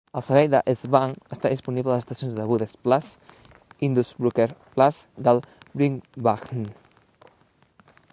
El servei de S-Bahn està disponible a les estacions de Bundesplatz i Innsbrucker Platz del "Ringbahn".